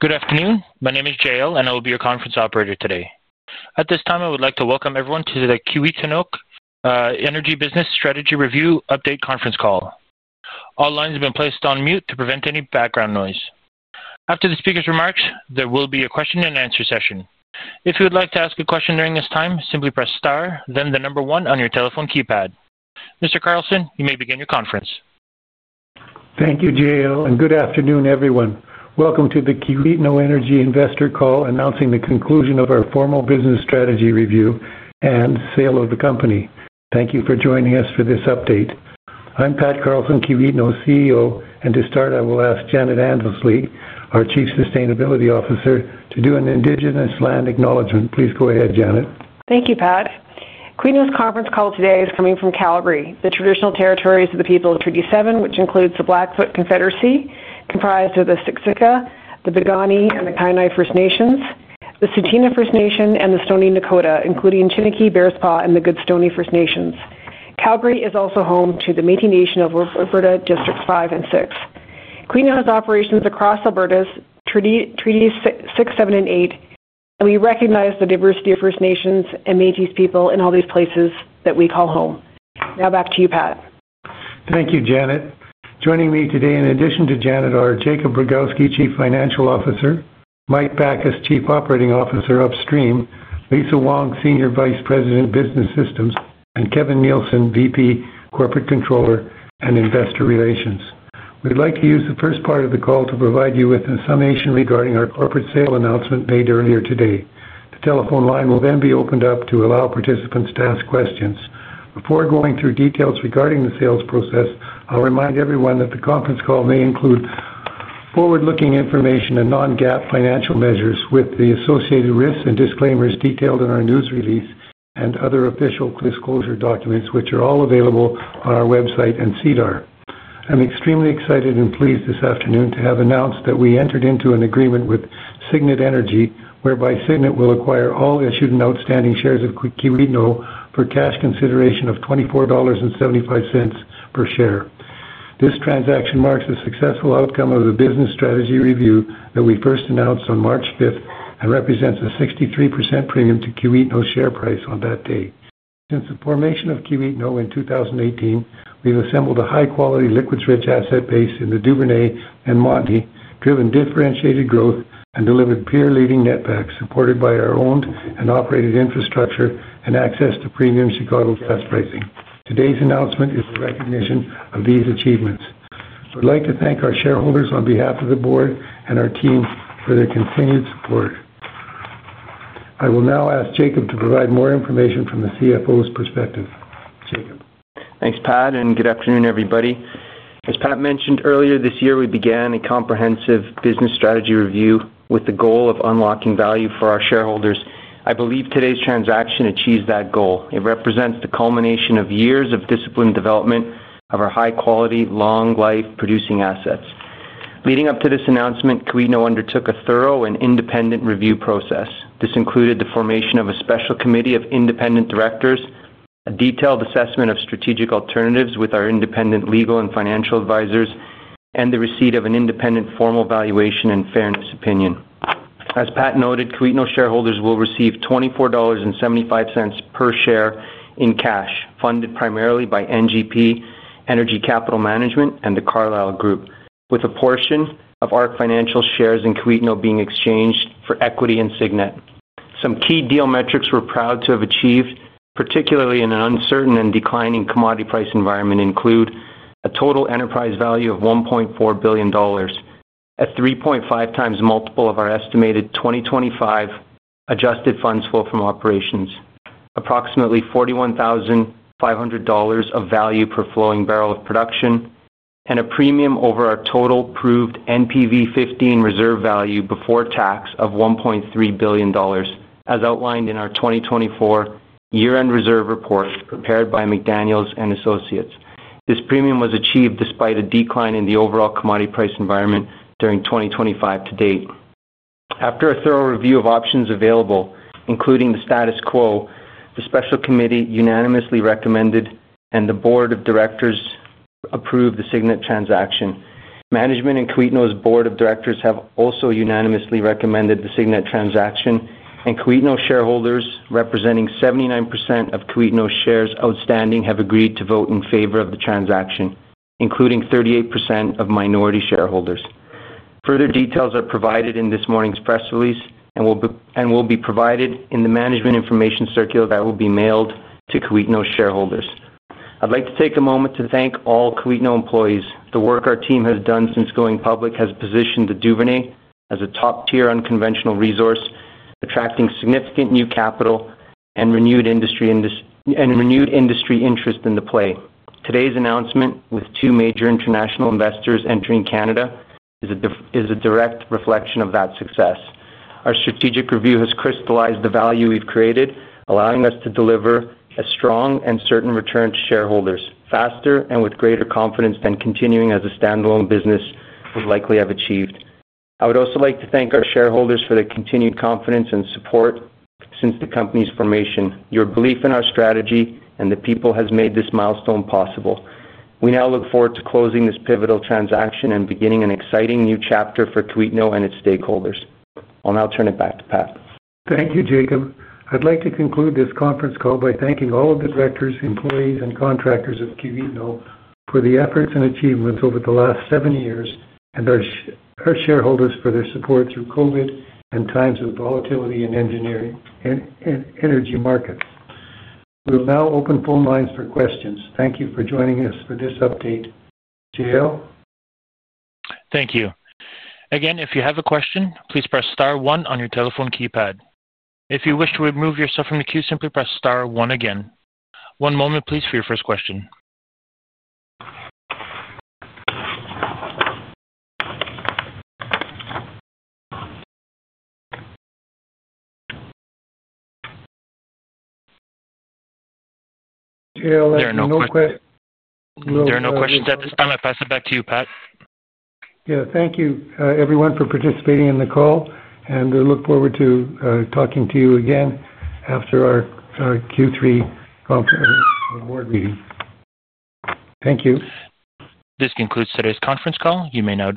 Good afternoon. My name is Jael and I will be your conference operator today. At this time, I would like to welcome everyone to the Kiwetinohk Energy Business Strategy Review Update Conference Call. All lines have been placed on mute to prevent any background noise. After the speaker's remarks, there will be a question and answer session. If you would like to ask a question during this time, simply press star, then the number one on your telephone keypad. Mr. Carlson, you may begin your conference. Thank you, Jael, and good afternoon, everyone. Welcome to the Kiwetinohk Energy Investor Call, announcing the conclusion of our formal business strategy review and sale of the company. Thank you for joining us for this update. I'm Pat Carlson, Kiwetinohk CEO, and to start, I will ask Janet Annesley, our Chief Sustainability Officer, to do an Indigenous Land Acknowledgement. Please go ahead, Janet. Thank you, Pat. Kiwetinohk's conference call today is coming from Calgary, the traditional territories of the People of Treaty Seven, which includes the Blackfoot Confederacy, comprised of the Siksika, the Piikani, and the Kainai First Nations, the Tsuut'ina First Nation, and the Stoney Nakoda, including Chiniki, Bearspaw, and the Goodstoney First Nations. Calgary is also home to the Métis Nation of Alberta, Districts Five and Six. Kiwetinohk has operations across Alberta's Treaties Six, Seven, and Eight, and we recognize the diversity of First Nations and Métis people in all these places that we call home. Now back to you, Pat. Thank you, Janet. Joining me today, in addition to Janet, are Jakub Brogowski, Chief Financial Officer, Mike Backus, Chief Operating Officer Upstream, Lisa Wong, Senior Vice President, Business Systems, and Kevin Nielsen, Vice President, Corporate Controller and Investor Relations. We'd like to use the first part of the call to provide you with a summation regarding our corporate sale announcement made earlier today. The telephone line will then be opened up to allow participants to ask questions. Before going through details regarding the sales process, I'll remind everyone that the conference call may include forward-looking information and non-GAAP financial measures with the associated risks and disclaimers detailed in our news release and other official disclosure documents, which are all available on our website and SEDAR. I'm extremely excited and pleased this afternoon to have announced that we entered into an agreement with Cygnet Energy, whereby Cygnet will acquire all issued and outstanding shares of Kiwetinohk for cash consideration of $24.75 per share. This transaction marks a successful outcome of the business strategy review that we first announced on March 5th, 2024, and represents a 63% premium to Kiwetinohk share price on that day. Since the formation of Kiwetinohk in 2018, we've assembled a high-quality liquids-rich asset base in the Duvernay and Montney, driven differentiated growth, and delivered peer-leading netbacks supported by our owned and operated infrastructure and access to premium Chicago class pricing. Today's announcement is a recognition of these achievements. I would like to thank our shareholders on behalf of the board and our team for their continued support. I will now ask Jakub to provide more information from the CFO's perspective. Jakub. Thanks, Pat, and good afternoon, everybody. As Pat mentioned earlier, this year we began a comprehensive business strategy review with the goal of unlocking value for our shareholders. I believe today's transaction achieves that goal. It represents the culmination of years of disciplined development of our high-quality, long-life producing assets. Leading up to this announcement, Kiwetinohk undertook a thorough and independent review process. This included the formation of a special committee of independent directors, a detailed assessment of strategic alternatives with our independent legal and financial advisors, and the receipt of an independent formal valuation and fairness opinion. As Pat noted, Kiwetinohk shareholders will receive $24.75 per share in cash, funded primarily by NGP Energy Capital Management and The Carlyle Group, with a portion of ARC Financial shares in Kiwetinohk being exchanged for equity in Cygnet. Some key deal metrics we're proud to have achieved, particularly in an uncertain and declining commodity price environment, include a total enterprise value of $1.4 billion, a 3.5x multiple of our estimated 2025 adjusted funds flow from operations, approximately $41,500 of value per flowing barrel of production, and a premium over our total approved NPV 15 reserve value before tax of $1.3 billion, as outlined in our 2024 year-end reserve report prepared by McDaniel & Associates. This premium was achieved despite a decline in the overall commodity price environment during 2025 to date. After a thorough review of options available, including the status quo, the special committee unanimously recommended and the board of directors approved the Cygnet transaction. Management and Kiwetinohk's board of directors have also unanimously recommended the Cygnet transaction, and Kiwetinohk shareholders, representing 79% of Kiwetinohk shares outstanding, have agreed to vote in favor of the transaction, including 38% of minority shareholders. Further details are provided in this morning's press release and will be provided in the management information circular that will be mailed to Kiwetinohk shareholders. I'd like to take a moment to thank all Kiwetinohk employees. The work our team has done since going public has positioned the Duvernay as a top-tier unconventional resource, attracting significant new capital and renewed industry interest in the play. Today's announcement, with two major international investors entering Canada, is a direct reflection of that success. Our strategic review has crystallized the value we've created, allowing us to deliver a strong and certain return to shareholders faster and with greater confidence than continuing as a standalone business would likely have achieved. I would also like to thank our shareholders for their continued confidence and support since the company's formation. Your belief in our strategy and the people has made this milestone possible. We now look forward to closing this pivotal transaction and beginning an exciting new chapter for Kiwetinohk and its stakeholders. I'll now turn it back to Pat. Thank you, Jakub. I'd like to conclude this conference call by thanking all of the directors, employees, and contractors of Kiwetinohk for the efforts and achievements over the last seven years and our shareholders for their support through COVID and times of volatility in engineering and energy markets. We'll now open phone lines for questions. Thank you for joining us for this update. Jael? Thank you. Again, if you have a question, please press star one on your telephone keypad. If you wish to remove yourself from the queue, simply press star one again. One moment, please, for your first question. Jael, I think we're I think we're--Yeah, I'm going to pass it back to you, Pat. Thank you, everyone, for participating in the call, and we look forward to talking to you again after our Q3 conference board meeting. Thank you. This concludes today's conference call. You may now disconnect.